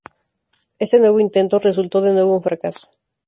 Este nuevo intento resultó de nuevo un fracaso.